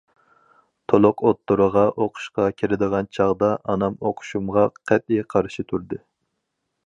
تولۇق ئوتتۇرىغا ئوقۇشقا كىرىدىغان چاغدا ئانام ئوقۇشۇمغا قەتئىي قارشى تۇردى.